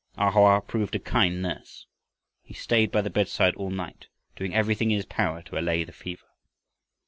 A Hoa proved a kind nurse. He stayed by the bedside all night, doing everything in his power to allay the fever.